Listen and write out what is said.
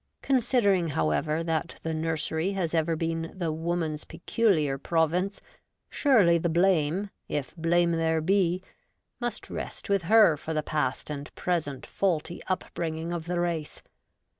Considering, however, that the nursery has ever been the woman's peculiar province, surely the blame, if blame there be, must rest with her for the past and present faulty upbringing of the race.